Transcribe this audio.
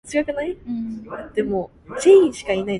口水多過茶